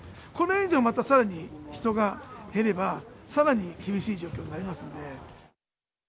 これ以上、またさらに人が減れば、さらに厳しい状況になりますんで。